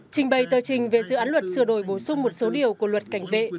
trình bày tờ trình về dự án luật sửa đổi bổ sung một số điều của luật cảnh vệ